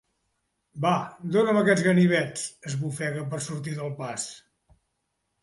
Va, dóna'm aquests ganivets —esbufega per sortir del pas.